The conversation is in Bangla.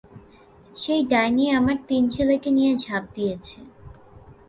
সেই ডাইনি আমার তিন ছেলেকে নিয়ে ঝাঁপ দিয়েছে।